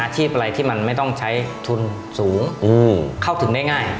ชีพอะไรที่มันไม่ต้องใช้ทุนสูงเข้าถึงได้ง่าย